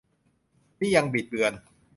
นี่ยัง "บิดเบือน"